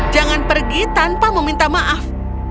jangan pergi tanpa meminta maaf